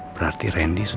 jujur itu dia